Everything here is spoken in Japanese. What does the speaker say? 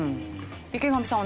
池上さん